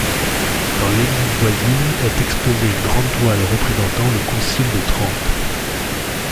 Dans l'église voisine est exposée une grande toile représentant le Concile de Trente.